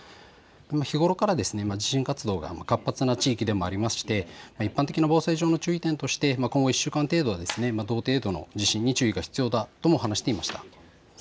日頃から地震活動が活発な地域でもありまして一般的な防災上の注意点として今後１週間程度は同程度の地震に注意が必要だとも話していました。